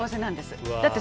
何だって。